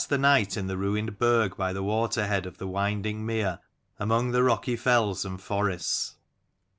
^ j the night in the ruined burg by the waterhead of the winding mere, among the rocky fells and forests.